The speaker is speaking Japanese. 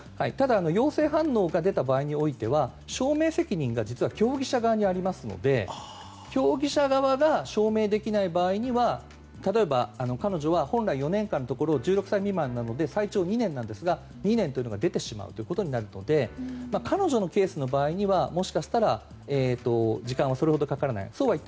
ただ陽性反応が出た場合は証明責任が競技者側にありますので競技者側が証明できない場合には例えば、彼女は本来４年間のところを１６歳未満なので最長２年ですが、２年というのが出てしまうことになるので彼女のケースの場合にはもしかしたら時間はそれほどかからない。